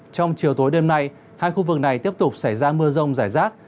trong chiều tối đêm nay hai khu vực này tiếp tục xảy ra mưa rông rải rác